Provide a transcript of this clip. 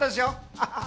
ハハハ！